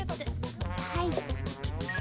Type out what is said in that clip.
はい。